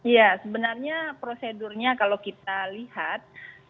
ya sebenarnya prosedurnya kalau kita lihat